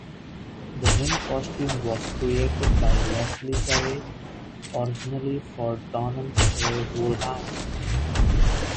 The Ming costume was created by Leslie Perri, originally for Donald A. Wollheim.